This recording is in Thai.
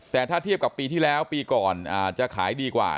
แต่ถ้าเทียบกับปีที่แล้วปีก่อนจะขายดีกว่า